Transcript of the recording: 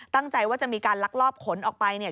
ตั้งใจว่าจะมีการลักลอบขนออกไปเนี่ย